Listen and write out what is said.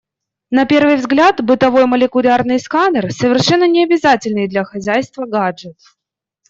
На первый взгляд, бытовой молекулярный сканер — совершенно не обязательный для хозяйства гаджет.